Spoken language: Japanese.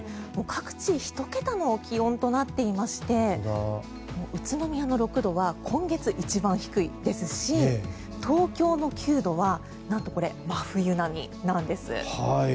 各地、１桁の気温となっていまして宇都宮の６度は今月一番低いですし東京の９度は何と真冬並みなんです。